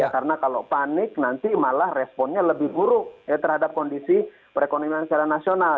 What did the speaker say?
karena kalau panik nanti malah responnya lebih buruk terhadap kondisi perekonomian secara nasional